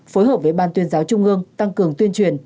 phối hợp với ban tuyên giáo trung ương tăng cường tuyên truyền